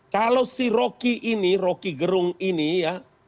kalau si roki ini rocky gerung ini ya